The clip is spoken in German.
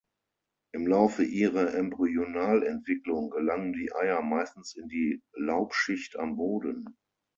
Im Laufe ihrer Embryonalentwicklung gelangen die Eier meistens in die Laubschicht am Boden.